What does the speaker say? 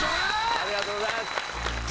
ありがとうございます